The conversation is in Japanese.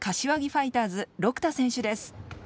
ファイターズ六田選手です。